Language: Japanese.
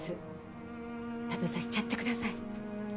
食べさしちゃってください。